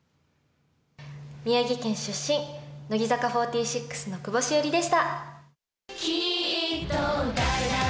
宮城県出身、乃木坂４６の久保史緒里でした。